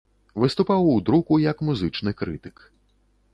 Выступаў у друку як музычны крытык.